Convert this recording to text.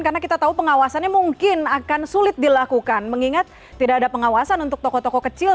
karena kita tahu pengawasannya mungkin akan sulit dilakukan mengingat tidak ada pengawasan untuk toko toko kecil